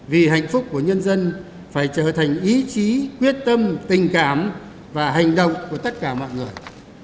vì hạnh phúc của nhân dân phải trở thành ý chí quyết tâm tình cảm và hành động của tất cả mọi người